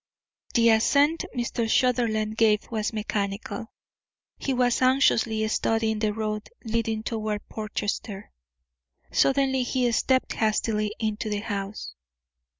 The assent Mr. Sutherland gave was mechanical. He was anxiously studying the road leading toward Portchester. Suddenly he stepped hastily into the house.